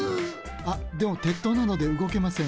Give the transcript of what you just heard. あでも鉄塔なのでうごけません